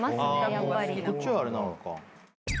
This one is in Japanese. こっちはあれなのか。